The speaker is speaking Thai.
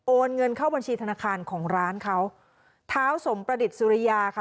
เงินเข้าบัญชีธนาคารของร้านเขาเท้าสมประดิษฐ์สุริยาค่ะ